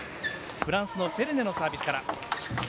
フランスのフェルネのサービスから。